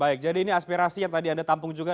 baik jadi ini aspirasi yang tadi anda tampung juga